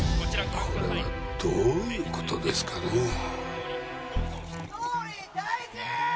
これはどういうことですかね総理退陣！